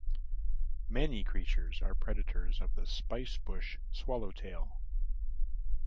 Many creatures are predators of the spicebush swallowtail.